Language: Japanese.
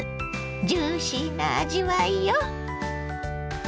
ジューシーな味わいよ。